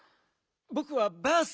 ぼくはバース。